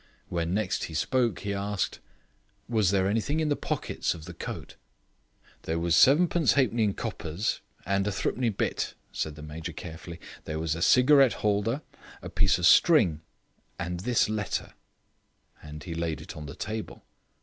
When next he spoke he asked: "Was there anything in the pockets of the coat?" "There was sevenpence halfpenny in coppers and a threepenny bit," said the Major carefully; "there was a cigarette holder, a piece of string, and this letter," and he laid it on the table.